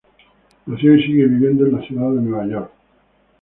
Nació y sigue viviendo en la ciudad de New York.